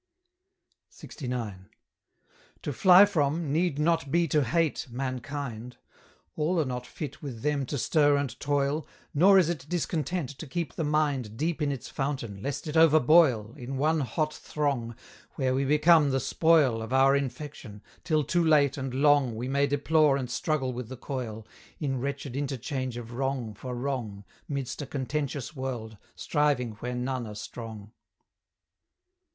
LXIX. To fly from, need not be to hate, mankind; All are not fit with them to stir and toil, Nor is it discontent to keep the mind Deep in its fountain, lest it overboil In one hot throng, where we become the spoil Of our infection, till too late and long We may deplore and struggle with the coil, In wretched interchange of wrong for wrong Midst a contentious world, striving where none are strong.